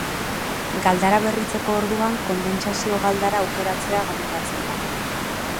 Galdara berritzeko orduan, kondentsazio-galdara aukeratzea gomendatzen da.